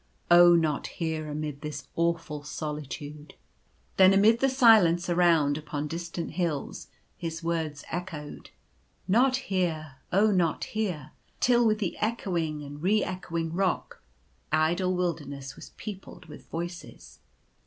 oh not here, amid this awful solitude." The Thunder roll. 153 Then amid the silence around, upon distant hills his words echoed :" Not here ! oh not here," till with the echoing and re echoing rock, the idle wilderness was peopled with voices.